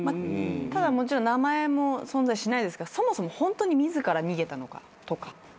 ただもちろん名前も存在しないですがそもそもホントに自ら逃げたのかとか。